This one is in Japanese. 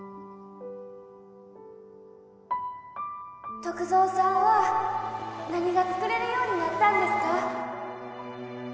篤蔵さんは何が作れるようになったんですか？